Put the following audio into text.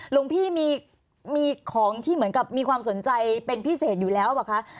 หลวงพี่มีของที่เหมือนกับมีความสนใจเป็นพิเศษอยู่แล้วป่ะคะ